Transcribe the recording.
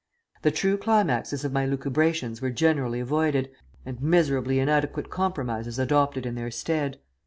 The true climaxes of my lucubrations were generally avoided, and miserably inadequate compromises adopted in their stead.